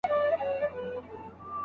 څنګه خلګ د دولتي بودیجې په اړه پوهیږي؟